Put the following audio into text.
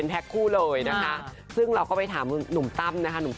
แต่ก็ลอดผู้